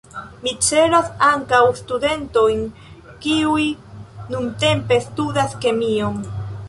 Mi celas ankaŭ studentojn kiuj nuntempe studas kemion.